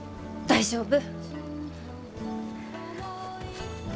大丈夫。